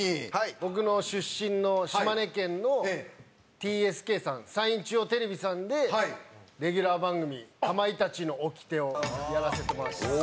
僕の出身の島根県のＴＳＫさんさんいん中央テレビさんでレギュラー番組『かまいたちの掟』をやらせてもらってます。